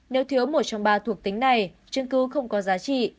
nếu thiếu một trong ba thuộc tính này chứng cứ không có giá trị